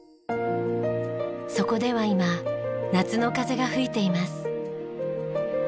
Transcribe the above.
そこでは今夏の風が吹いています。